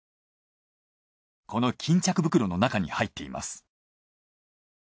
この巾着袋の中に入っています。